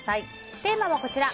テーマはこちら